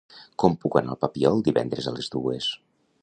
Com puc anar al Papiol divendres a les dues?